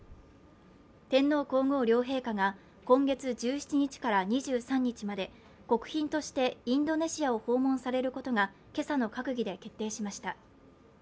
天皇皇后両陛下が今月１７日から２３日まで国賓としてインドネシアを訪問されることが今朝の閣議で決定しました。